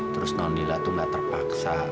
terus nonila tuh gak terpaksa